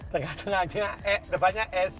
tengah tengahnya eh depannya s